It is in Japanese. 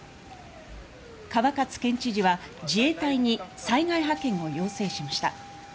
川勝県知事は自衛隊に災害派遣を要請しました。